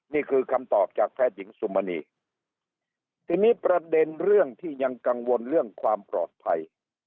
นี่คือคำตอบจากแพทย์หญิงสุมณีทีนี้ประเด็นเรื่องที่ยังกังวลเรื่องความปลอดภัย